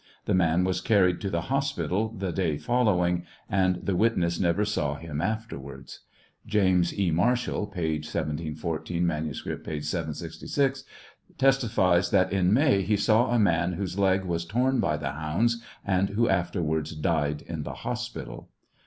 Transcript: The man was carried to the hospital the day following, and the witness never saw him afterwards. James E. Marshall (p. 1714; manuscript, p. 766) testifies that in May he saw a man whose leg was torn by the hounds, and who afterwards died in the hospital.